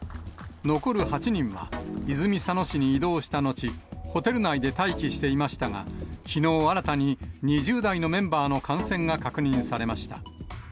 残る８人は、泉佐野市に移動した後、ホテル内で待機していましたが、きのう、新たに２０代のメンバーの感染が確認されました。